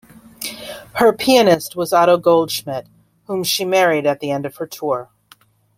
Her pianist was Otto Goldschmidt, whom she married at the end of her tour.